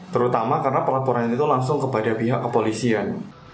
terutama karena pelaporan itu langsung kepada pihak kepolisian